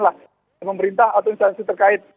oleh pemerintah atau instansi terkait